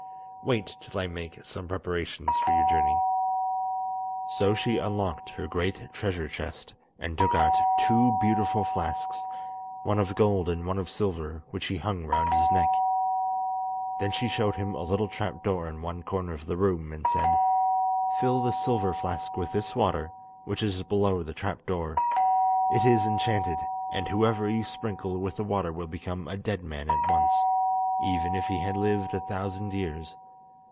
"Wait till I make some preparations for your journey." So she unlocked her great treasure chest, and took out two beautiful flasks, one of gold and one of silver, which she hung round his neck. Then she showed him a little trap door in one corner of the room, and said: "Fill the silver flask with this water, which is below the trap door. It is enchanted, and whoever you sprinkle with the water will become a dead man at once, even if he had lived a thousand years.